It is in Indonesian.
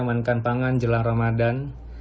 menekan pangan jelang ramadhan